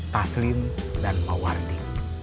taslim dan pak wardi